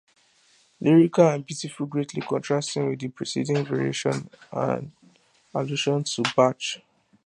Lyrical and beautiful, greatly contrasting with the preceding variation, an allusion to Bach.